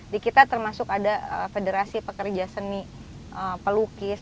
di kita termasuk ada federasi pekerja seni pelukis